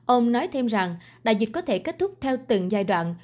ông nói thêm rằng đại dịch có thể kết thúc theo từng giai đoạn